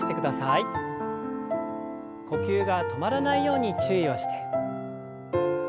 呼吸が止まらないように注意をして。